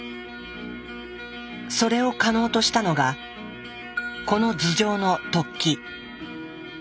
それを可能としたのがこの頭上の突起。